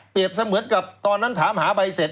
เสมือนกับตอนนั้นถามหาใบเสร็จ